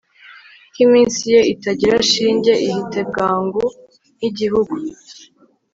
ko iminsi ye itagira shinge ihita bwangu nk'igihu